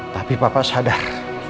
tapi papa sadar